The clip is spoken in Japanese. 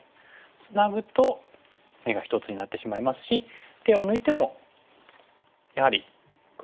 ツナぐと眼が１つになってしまいますし手を抜いてもやはり黒から入れますからね。